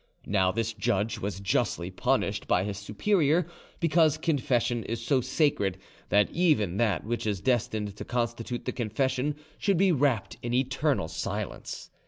Now this judge was justly punished by his superior, because confession is so sacred that even that which is destined to constitute the confession should be wrapped in eternal silence.